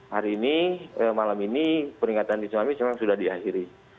hari ini malam ini peringatan tsunami sudah diakhiri